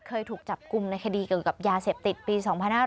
เคยถูกจับกลุ่มในคดีเกี่ยวกับยาเสพติดปี๒๕๕๙